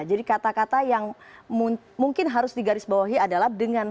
jadi kata kata yang mungkin harus digarisbawahi adalah